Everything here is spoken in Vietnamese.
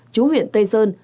chú huyện tây sơn